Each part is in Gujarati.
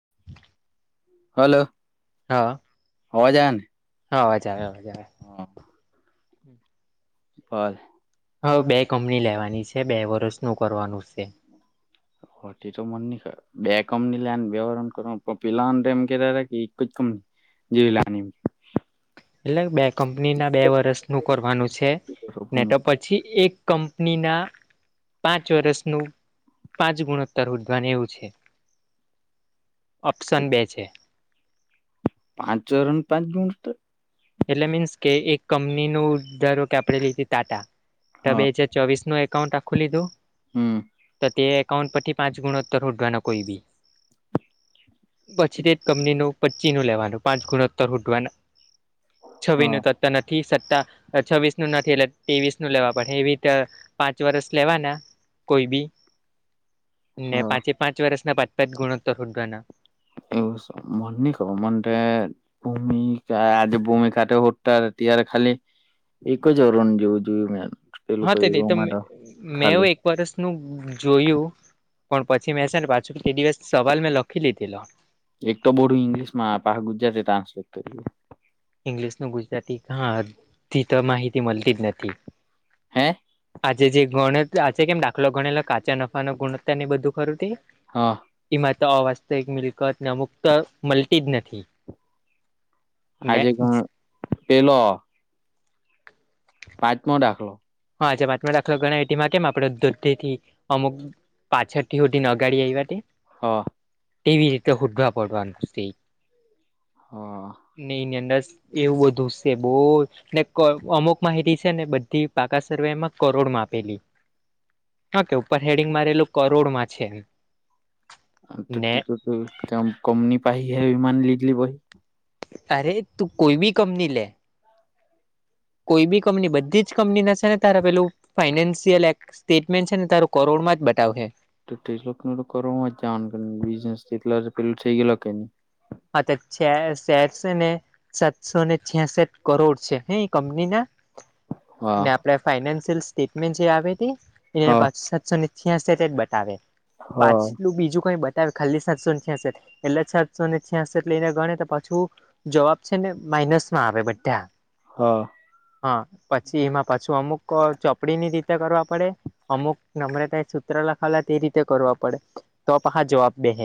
[inaudible] હલો. હા. અવાજ આને હા અવાજ આવે હા. બોલ. હા બે કંપની લેવાની છે બે વર્ષનું કરવાનું છે. મણ ની હ બે કંપની લેવાન બે વરહ માં કર પીલા એમ કેતા કે એક જ કંપની જેવી લાની એટલે બે કંપની ના બે વર્ષનું કરવાનું છેને, તો પછી એક કંપનીના. પાંચ વર્ષનું પાંચ ગુણોત્તર ઉદ્વવાન એવું છે. ઓપ્શન બે છે. પાંચ વરહ ન પાંચ ગુણોત્તર એટલે મીન્સ કે એક કંપનીનુ ધારો કે આપણે લીધ ટાટા તો હા બે જે ચોવીસ નું એકાઉન્ટ આખું લીધુ હમ્મ. તે એકાઉન્ટ પરથી પાંચ ગુણોત્તર હોધવાના કોઈ બી. પછી તે જ કંપનીનું પચીનું લેવાનું પાંચ ગુણોત્તર હોધવા ના. છવ્વી હા નું અતર નથી સત્તા છવ્વીસનું નથી, એટલે ત્રેવીસ ન લેવા પડે એવી રીતે પાંચ વરષ લેવાના કોઈ બી ને હા પાંચે પાંચ વર્ષના પાંચપચ ગુણોત્તર શોધવાના એવું મન ન ખ મન ભૂમિક આજ ભૂમિ ખાટ હોટતાતીાર ખાલી એક જ અરણ જેવું જોયું મેંમ હા, તેથી તો મેવ એક વર્સનુંું જોયું પણ પછી મેં છેને, પાછું તે દિવસ સવાલ મેં લખી લીધીલો એક તો બોડું ઇંગ્લિશમાં પા ગુજરાતી ટ્રાન્સલેટ કરું ઇંગ્લિશ ન ગુજરાતી ઘાથી તો માહિતી મળતી જ નથી. હે આજે જે ગણ આજે કેમ દાખલો ગણેલો કાચા નફા ન ગુણવત્તા ની બધું ખરું થ. હા એમાં તો અવાસ્તવિક મિલકત ને અમુક મળતી જ નથી. ને આજે પેલો પાત્મઢાખલો હા, રાખલો ઘણા એટીમાં કેમ આપડે દૂધ થી અમુક પાછોટી હઠી નગાડી એઈવા તે હા ટીવી રતે શુદધવા પાર્ડવાનું ખુશ- હમ્મ નહી અંદસ એવું બધું છે બહુ ને અમુક માહિતી છેને, બધી પાકા સર્વેમાં કરોડ માપેલી હ કે ઉપર હેડિંગ મારેલું કરોડમાં છેમ. તો ટમ કમની પાય હ લીધી બહી અરે તું કોઈ બી કંપની લે કોઈ બી કંપની બધી જ કંપની ના છેને, તારા પેલું ફાઈનાન્શિયલ એક સ્ટેટમેન્ટ છે ને તારું કરોડ માં જ બતાવશે તો ત્રીસ લખ ન તો કરવામાં જ જ બિનેસ એટલા પેલું થઈ ગયે કે ન હા તો શેરસ ને સાતસો ને છ્યાસઠ કરોડ છે, હ કંપની ના હા ને આપણેે ફાઈનાન્શિયલ સ્ટેટમેન્ટ જે આવી હતી એ હા પા સાતસો ની હ તે જ બતાવે હા પાછલું બીજું કઈ ત ખાલી સાતસશે એલા છ. પ્યાટ લઈને ગણે પાછું જવાબ છેને, માઇનસ માં આવે બધા હા હા પછી એમાં પાછું અમુક ચોપડીની રીતે કરવા પડે અમુક નમ્રતા સૂત્ર લખાવેલા તે રીતે કરવા પડે તો પ હા જવાબ બે હ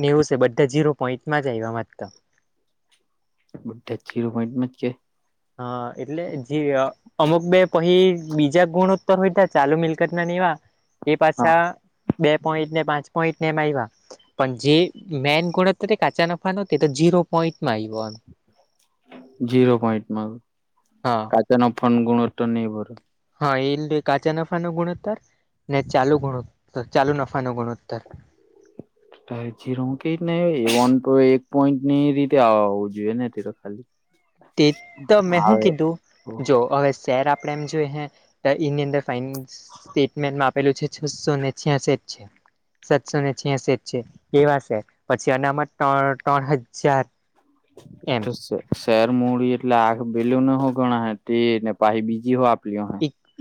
ને એવું છે બધા ઝીરો પોઈન્ટ માં જ આવમાં તો બુધે જીરો પોઈન્ટ મમાં જ કે હા, એટલે જે અમુક બે પછી બીજા ગુણોત્તર હોય ત ચાલુ મિલકત ના એવા એ હા પાછા બે પોઈન્ટ ને પાંચ પોઈન્ટ ને એમ આવ્યા પણ જે મેન ગુણત્ કાચા નફા ન તે તો જીરો પોઈન્ટમાં આવ્યોમ ઝીરો પોઈન્ટમાં હા. પાચ ન ફન ગુણત્વ નઈ ભર હા એલે કાચા નફા નો ગુણોત્તર ને ચાલુ ગુણોત્તર ચાલુ નફા નો ગુણોત્તર ત જીરો કઈ એક પોઈન્ટ ની રીતેવું જોઈએ, ને ખાલી તે તો મેં હું આવે કીધું જો અવે ત્યાં આપણે એમ જોઈએ હે એની અંદર ફાઇન્સ સ્ટેટમેન્ટમાં આપેલું છે છસો ને છ્યાસઠ છે સાતસો ને છ્યાસઠ છે. કેવાશે પછી, અનામત ત્રણ હજાર ત એમ સરેર મૂડી એટલે આખ ભેલ ન હો ગણા તે ને પાછ બીજી હો આપલી હો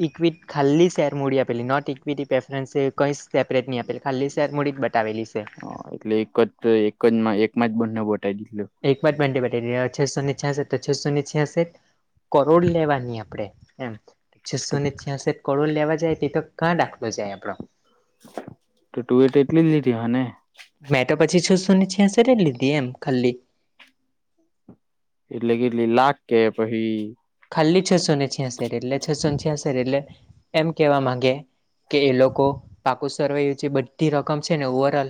ઇક્વિટ ખાલી શેર મૂડી આપેલી નોટ ઇક્વિટી પ્રેફરન્સ છે કઈ સેપરેટ નહી, આપેલી ખાલી શેર મૂડી બ દાબેલી છે. આ એટલે એક જ એક જ એકમાં જ બંને બતાવી દીધલો. એક વાર પેન્ડિંગ બતાવી દીધો આ છેસોને છાસઠ તો છસો ને છ્યાસી કરોડ લેવાની આપડે એમ. છસો ને છ્યાસઠ કરોડ લેવા જાય તે તો ક્યાં દાખલો જાય આપડો. તો ટુવે તે એટલી જ લીધી હ ને. મેં તો પછી છસો ને છ્યાસઠ લીધી એમ ખાલી. એટલે કેટલી લાખ કે પાહિ ખાલી છસો ને છ્યાસઠ એટલે છસો ને છ્યાંસર એટલે એમ કેવા માંગે કે એ લોકો પાકુ સરવૈયું જે બધી રકમ છે ને ઓવરલ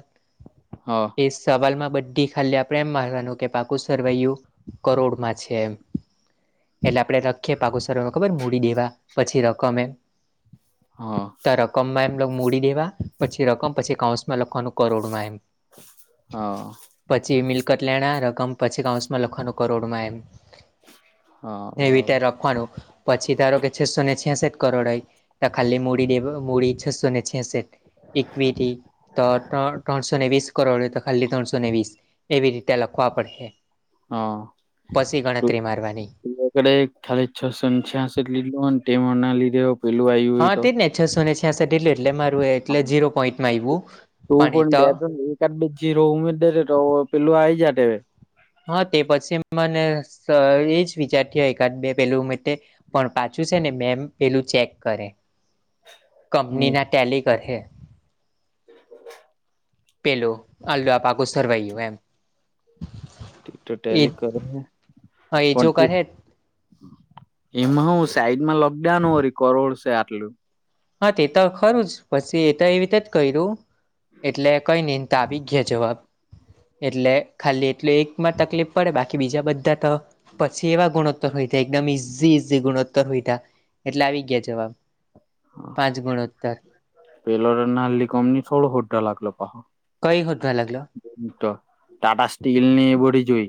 હા. એ સવાલમાં બધી ખાલી આપણે એમ મારવાનું કે પાકું સરવાયું કરોડમાં છે એમ. એટલે આપડે રાખીએ પાકુ સરવૈયો ખબર મૂડી દેવા પછી રકમ એમ. હા. તા રકમ માં એમ મૂડી દેવા પછી રકમ પછી કાઉન્સમાં લખવાનું કરોડમાં એમ. હા. પછી મિલકત લેણા રકમ પછી કાઉસમાં લખવાનું કરોડમાં એમ. હા ને એવી રીતે બરાબર. રાખવાનું પછી ધારો કે છસો ને છેાસઠ કરોડ હોય ખાલી મૂડી દે મૂડી છસો ને છેસઠ. ઇક્વિટી તો તો ત્રણસો ને વીસ કરોડે તો ખાલી ત્રણસો ને વીસ. એવી રીતે લખવા પડશે. હા પછી તુ ગણતરી મારવાની એે [unintelligible] ખાલી છસો ને છ્યાસઠ લીધેલું હોય ને તેમના લીધેઓ હા તેજ ને છસો ને છ્યાસઠટું એટલે મારું એટલે તું ઝીરો પોઈન્ટ માં આવું પણ ઈ તો બે ત્રણ એકાદ બે ઝીરો ઉમેર દેતે તો પેલુ આઈ જાતે. હા તે પછી મને સા એજ વિચાર થયો એકાદ બે પેલું માટે. પણ પાછું છે ને મેમ પેલું ચેક કરે. કંપની હમ ના ટેલી કર હે. પેલું આલુ આ પાકું સરવૈયું એમ. તો એ ટેલી કરીને હા એ જો [unintelligible] કરે એમાં હું સાઈડમાં લખી દેવાનું વળી કરોડ છે આટલું. હા તે તો ખરું જ પછી એ તો એવી રીતે જ કર્યું એટલે કઈ નિન તે આવી ગયા જવાબ. એટલે ખાલી એટલું એકમાં તકલીફ પડે બાકી બીજા બધા તો પછી એવા ગુણોત્તર હોય તે એકદમ ઈઝી ઈઝી ગુણોત્તર હોય તા એટલે આવી ગયા જવાબ. પાંચ ગુણોત્તર પેલો તો નાલી કંપની છોડો હોડો દાખલો પહો. કઈ [unintelligible] લાગલો. તેજ તો ટાટા સ્ટીલ ની એ બધી જ હોય.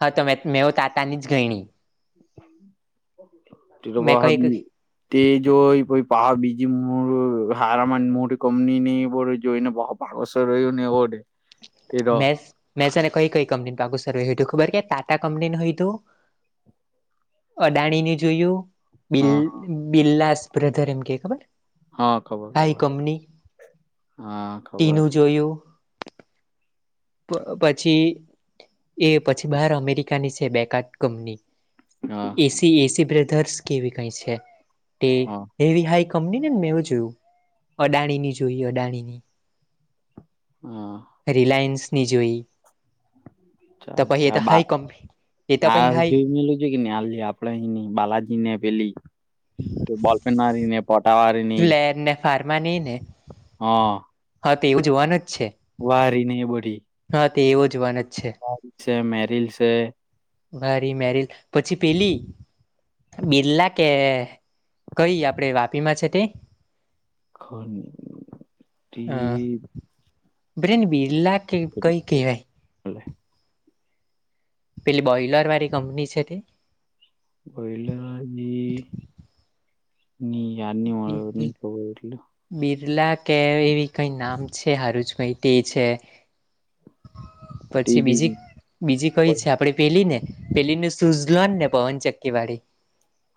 હા તો મે મેંવ તાતા ની જ ગયણી. તે તો મેં કઈ [unintelligible] તે જોઇ પાહિ પાહ બીજી મો હારામાં મોટી કંપની ની એ બધું જોઈને પહો બસો રહ્યું ને એવોર્ડે મેઝ મેઝ અને કઈ કઈ કંપની પાગુ સરવેું ખબર કે ટાટા કંપની હોય હતું અડાણી ને જોયું બિ હા બિરલાસ બ્રધર એમ કે ખબર હા ખબર હાઈ ખબર કંપની હા ખબર ટીનું જોયું પછી એ પછી બહાર અમેરિકાની છે બે કાદ કંપની. હા એસી એસી બ્રધર્સ કેવી કઈ છે તે. હા એવી હાઈ કંપની ને ને મેં એવું જોયું અડાણી ની જોય અડાણી ની. હા રિલાયન્સ નિ જોઈ. તો ચાલે પાહિ એ તો આ બા હાઈ કંપની એ તો પાહિ હાઈ હાલ આપડે બાલાજી ને પેલી બલફેનારીને પટાવા. લ્લેર ને ફારમાની ને. હા. હા તો એવું જોવાનું જ છે. વારી નહી બડી. હા તે એવો જ વાન જ છે. છે મેરીલ છે. વારી મેરીિલ પછી પેલી. બિરલા કે કઈ આપડે વાપી માં છે તે. ખ તે. બ્રેન બીરલા કે કઈ કહેવાય. હેલો. પેલી બોઈલર વાળી કંપની છે તે. વયલજી ની યારની બિરલા મળની ખ એટલે. બિરલા કે એવી કઈ નામ છે હારૂજ ભઈ તે છે. પછી બીજી તેજી બીજી કઈ છે આપ. આપે પેલી ને પેલી ને સુઝલોન ને પવન ચક્કીવાળી.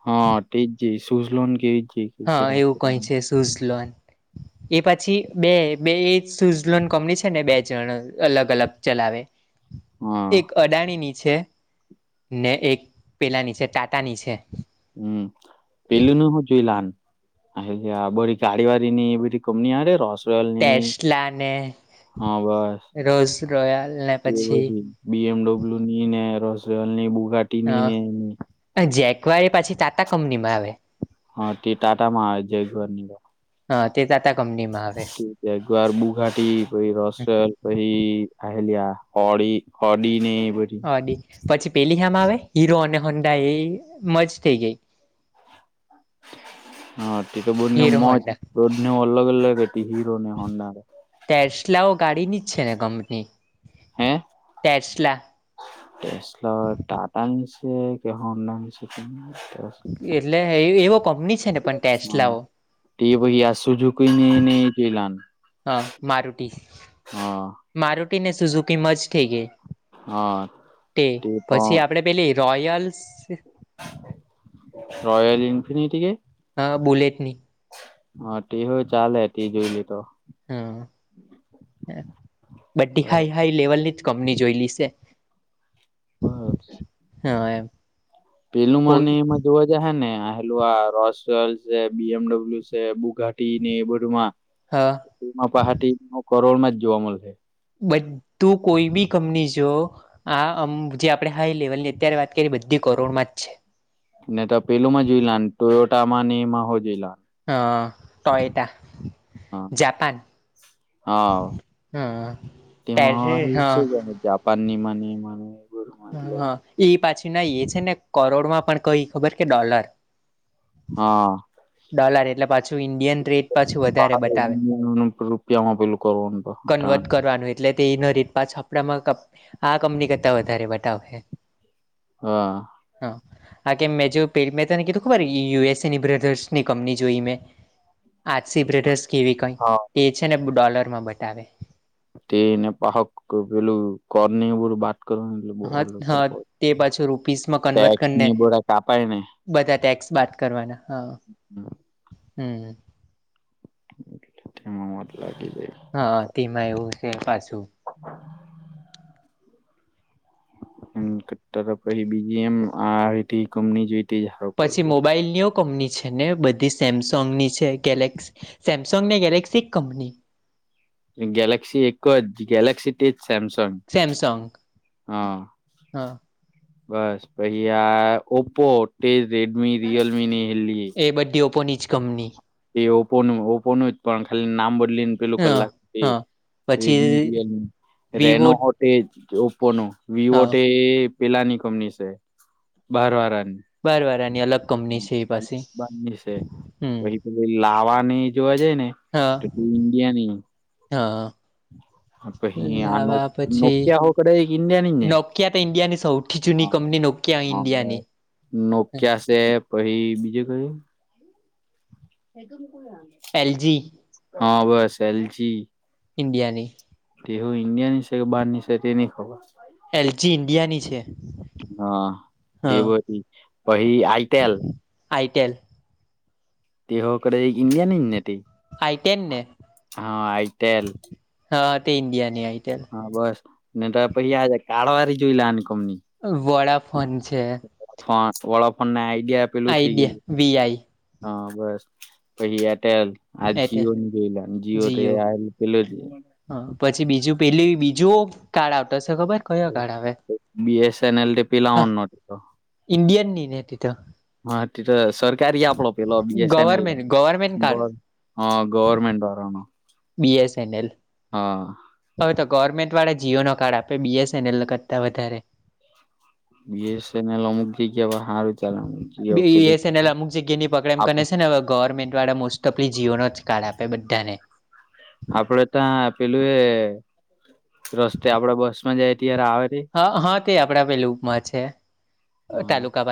હા એ જ જ સુઝ લોન કેવી જ. હા એવું કઈ છે સ્ઝલોડ. એ પછી બે બે સ્ઝલોન્ડ કંપની છે ને બે જણ અલગ અલગ ચલાવે. એક. અડાણીની છે ને એક પેલાની છે ટાટાની છે. હમ પેલુંનું હું જોઈ લન. હ બોી ગાડી વાાડી નની બ કોમની આડે રસ. ટલની ન ટેસ્લા ને હા બસ રોઝ રોયલ ને તે પછી બધી. બી એમડબલ્યુ ની ને રોસલની બુઘાટી ની ને એ. જેકવાર એ પાછી ટાટા કંપની માં આવે. હ તે ટાટા મહ જે ઘરની. હા તે તાતાા કંપની માં આવે. ગર બુઘાટી પ રસ પછ આલ આ હડી હડી ન પ. પછી પેલી આમ આવે હીરો અને હોંડા એ મજ થઈ ગઈ. હા તે તો બોધને હીરો મજ હોન્ડા બોધને અલગ અલગ હીરો. ને હોન્ડા તરશલાઓ ગાડીી નિચ છે ને કંપની. રસલા. ટેસ્ટ લ ટા ટની છે કે હો નાંગ છે તટે. એટલે એવો કંપની છે ને પણ ટેક્સ લાવો. ટી બહી આસુ છું ક જ લ. હા મારુટી હા મારુટીને સુુંઝ કમજ. હા તે ઠીક પછી આપડે પેલી રોયલસ. રયલ ઇનફિન એટી કે. બુલેટની હા ટી હું ચાલે ટી જોઈ લ તો. હા બધી હાઈ હાઈ લેવલ ની જ કંપની જોય લઈ છે. હ હ. હા એમ. પેલું એ કોઈ જા હ ને હલ આ રોલ છે બી એમડબલ્યુ છે બુઘાટી ને એ બધુંમાં હા માં પહાટીમાં કરોળમાં જ જોવા મળશે બધું કોઈ બી કંપની જો આમ જે આપડણે હાઈ લેવલ ની અત્યારે વાત કરીએ બધી કરોડ માં જ છે. ને તો પેલું માં જોઈ લ ટુયોટા નીમાં હો જોઈ લ. હ ટયટા હા જાપાન. હા હ તેમાં ટેરે સ હા જ. પનની મની મને. હ એટલે હા એ પાછી ના એ છે ને કરોડમાં પણ કઈ ખબર કે ડોલર. હા. ડોલર એટલે પાછું ઇન્ડિયન રેટ પાછું વધારે બતાવે રૂપિયા માં પેલું. કર તો હતા. કન્વર્ટ કરવાનું એટલે એનો રીત પાછપડામાં આ કંપની કરતા વધારે બતાાવશે. હા. હા. આ કે મેં જો પેલી મે તને કીધું ખબર યુએસએની બ્રધર્સની કંપની જોઈ મેં. આસી બ્રધર્સ કેવી કઈ હા તે છે ને ડોલર માં બતાવે. તેનેપહક પલું કરને એ બર બાત. કરો એટલે બ હા હા તે પાછું રૂપીસમાં કન્વર્ટ ટેસ કરીને બો કાપાય ને. બધા ટેક્સ બાદ કરવાના હા. હા. હમ. એ તેમાં મત લાગી જાય. હા તેમાં એવું છે પાછું. હમ પછી બીજી એમ આ રી કમની જોઈ. તે જ હારું પછી મોબાઈલ યોગ. કંપની છે ને બધી સેમસંગ ની છે ગેલેક્સી સેમસંગ ને ગેલેક્સી કંપની. ગેલાક્સી એકકો જ ગેલાક્સી. એજ સેમસંગ સેમસંગ હા. હા બસ ભૈય ઓપો તેજ રેડમી રિયલમી ની હેલી. એ બધી ઓપોની જ કંપની. એ ઓપોનું ઓપોનું જ પણ ખાલી નામ બદલીને. પેલું હા કલાક હા રીડમી પછી વિવો રેનો. એ ઓપ્પો ન વિવો હા તો પેલાની કંપની છે બાર વારની. બર વાર આની અલગ કંપની છે એ પાસે હમ. પી લાવાની જોવા જાય ને. હા તો તે ઇન્ડિયાની હા. પછી આ નો લાવા પછી નોકિયા હો કદાચ એક ઇન્ડિયાની જ ને નોકિયા તો ઈન્ડિયાની સૌથી જૂની હા કંપની નોક. ક્યાં હા ઇન્ડિયાની. બસ નોકિયા છે પછ બીજું કયું. L G. હા બસ એલજી. ઇન્ડિયાની તેહું ઇન્ડિયા ની છે કે બહાર ની છે તે નની ખબર. એલજી ઇન્ડિયાની છે. હા તે બ હા પહી આઈતલ આઈટેલ તેઓ કર ન્ડિયાની જ નથી આઈટેન ને હા તે ઇન્ડિયા ની આઈટેલ. હા બસ ને ત પછી કાળવાળ જોઈ લની કમની. વોડા ફોન છે. ફોન વડાફોન નાને આઈડિયા પેલું થઈ આઈડિયા ગ. વીઆઈ હા બસ પછી એટેલ. આ એટેલ જીઓ નની જોઈલા જીઓ પલો જે. હ પછી બીજું પેલી બીજું કાર્ડ આવતોશે ખબર? કયો કાર્ડ આવે બી એસ એન એલ પલાઓણ ન ઈન્ડયન ની ને તિથ તો હા ત તો સરકારી આપલો પેલો બીએસએનએલ ગવર્મેન્ટ ગવર્મેન્ટ કાર્ડ હ ગવરમેન્ટ વારા નુ બી એસ એન એલ હા હવે તો ગવર્મેન્ટ વાળા જીઓ નો કાર્ડ આપે બીએસ એનએલ કરતા વધારે. બી એસ એન એલ અમૂક જગ્યા હારુ એસનએલ અમુક જગ્યા ની પકડમ આપ કરને છે ને હવે ગવર્મેન્ટ વાળા મોસ્ટ તો પણ જીઓનો જ કાડ આપે બધાને આપડે ત્યાં પેલું એ રસ્તે આપડે બસ માં જાય ત્યારે આવે રે હ હા તે આપણા પેલુંમાં છે હા તાલુકા